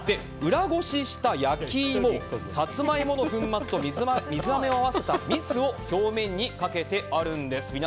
裏ごしした焼き芋サツマイモの粉末と水あめを合わせた蜜を表面にかけてあるんです。